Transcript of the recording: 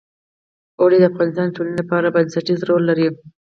اوړي د افغانستان د ټولنې لپاره بنسټيز رول لري.